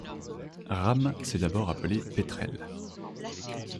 Rhame s’est d’abord appelée Petrel.